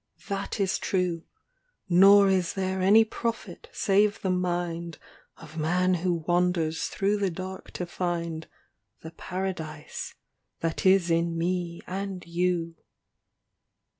ŌĆØ ŌĆö that is true, Nor is there any prophet save the mind Of man who wanders through the dark to find The Paradise that is in me and you.